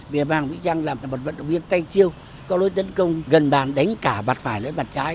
vì mai hoàng mỹ trang là một vận động viên tay chiêu có lối tấn công gần bàn đánh cả bặt phải lấy bặt trái